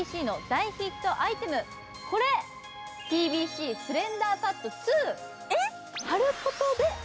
ＴＢＣの大ヒットアイテム、ＴＢＣスレンダーパッド２。